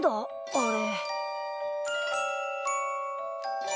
あれ。